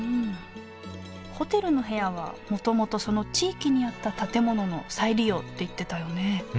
ホテルの部屋はもともとその地域にあった建物の再利用って言ってたよね